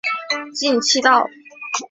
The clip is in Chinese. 进气道可分为亚音速和超音速进气道。